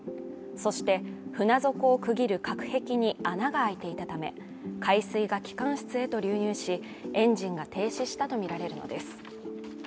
そして船底を区切る隔壁に穴が開いていたため海水が機関室へと流入し、エンジンが停止したとみられるのです。